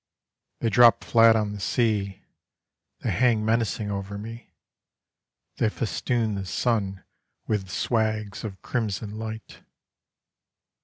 They drop flat on the sea, They hang menacing over me, They festoon the sun With swags of crimson light.